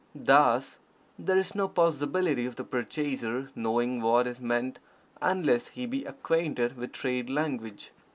Thus, there is no possibility of the purchaser knowing what is meant unless he be acquainted with trade language.